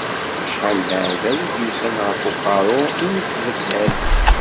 Acḥal d aεdaw i d-yusan ɣef uqerru i t-nesbeddad.